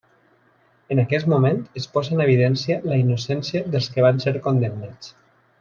En aquest moment es posa en evidència la innocència dels que van ser condemnats.